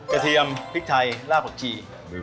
กระเทียมพริกไทยลากบอกชี